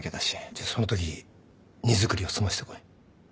じゃそのとき荷造りを済ませてこい。